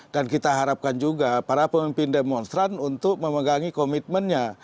dan kita harapkan juga para pemimpin demonstran untuk memegangi komitmennya